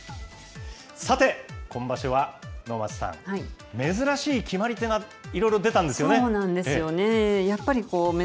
さて、今場所は能町さん、珍しい決まり手が、色々出たんですよね。